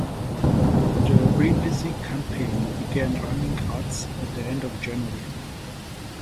The Brindisi campaign began running ads at the end of January.